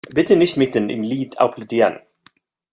Bitte nicht mitten im Lied applaudieren!